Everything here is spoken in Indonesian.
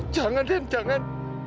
jangan den jangan